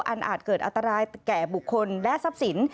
อาจเกิดอันตรายแก่บุคคลและทรัพย์สิน